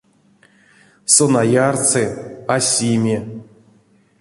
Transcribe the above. Сон а ярсы, а сими.